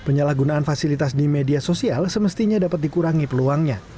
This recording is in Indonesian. penyalahgunaan fasilitas di media sosial semestinya dapat dikurangi peluangnya